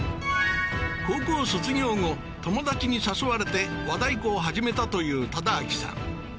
高校卒業後友達に誘われて和太鼓を始めたという忠明さん